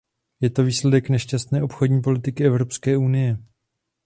Je to výsledek nešťastné obchodní politiky Evropské unie.